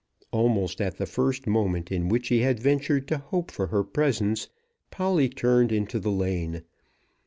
Almost at the first moment in which he had ventured to hope for her presence, Polly turned into the lane.